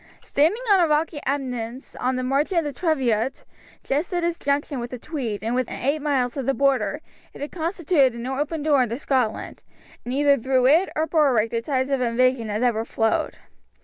Standing on a rocky eminence on the margin of the Teviot, just at its junction with the Tweed and within eight miles of the Border, it had constituted an open door into Scotland, and either through it or through Berwick the tides of invasion had ever flowed.